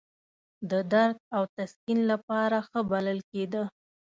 د درد او تسکین لپاره ښه بلل کېده.